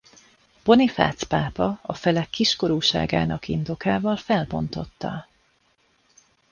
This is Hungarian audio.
Bonifác pápa a felek kiskorúságának indokával felbontotta.